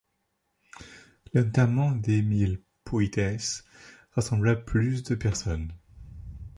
L'enterrement d'Émile Pouytès rassembla plus de personnes.